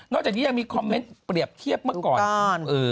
จากนี้ยังมีคอมเมนต์เปรียบเทียบเมื่อก่อน